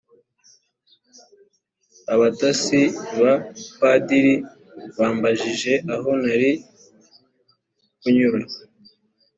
abatasi ba padiri bambajije aho nari kunyura